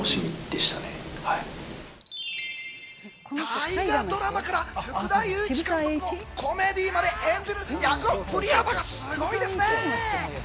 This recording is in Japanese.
大河ドラマから福田雄一監督のコメディーまで演じる役の振り幅がすごいですね。